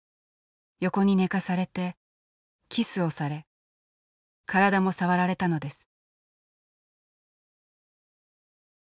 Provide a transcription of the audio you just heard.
横に寝かされてキスをされ体も触られたのです。